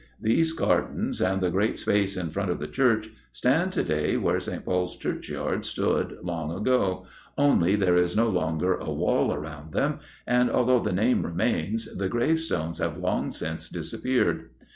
These gardens, and the great space in front of the church, stand to day where St. Paul's Churchyard stood long ago, only there is no longer a wall round them, and although the name remains, the gravestones have long since disappeared.